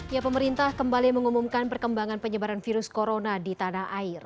ya pemerintah kembali mengumumkan perkembangan penyebaran virus corona di tanah air